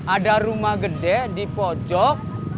ada rumah gede di pojok